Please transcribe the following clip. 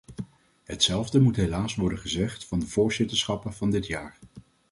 Hetzelfde moet helaas worden gezegd van de voorzitterschappen van dit jaar.